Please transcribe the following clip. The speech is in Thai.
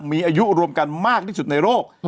มีอายุรวมกันมากที่สุดในโลก